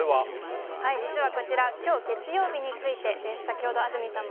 実はこちら今日、月曜日についてです。